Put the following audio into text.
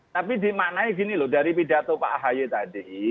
tapi dimaknai gini loh dari pidato pak ahaye tadi